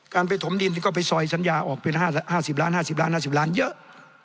การไปถมดินก็ไปซอยสัญญาออกเป็น๕๐ล้าน๕๐ล้าน๕๐ล้านเยอะ